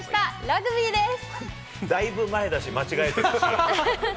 だいぶ前だし、間違えてるし。